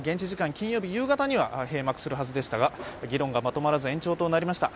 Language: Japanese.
金曜日夕方には閉幕するはずでしたが議論がまとまらず延長となりました。